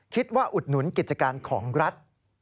๒คิดว่าอุดหนุนกิจการของรัฐ